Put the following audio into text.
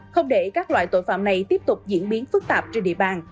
không để các loại tội phạm này tiếp tục diễn biến phức tạp trên địa bàn